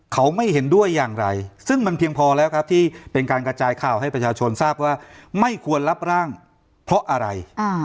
เขาไม่เห็นด้วยอย่างไรซึ่งมันเพียงพอแล้วครับที่เป็นการกระจายข่าวให้ประชาชนทราบว่าไม่ควรรับร่างเพราะอะไร